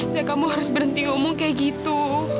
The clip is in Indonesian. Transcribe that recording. ya kamu harus berhenti ngomong kayak gitu